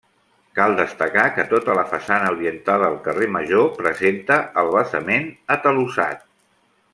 Cal destacar que tota la façana orientada al carrer Major presenta el basament atalussat.